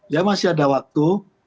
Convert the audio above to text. ya masih ada waktu